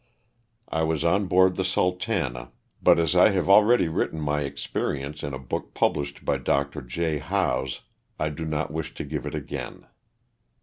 I was on board the " Sultana," but as I have already written my experience in a book published by Dr. J. Howes I do not wish to give it again.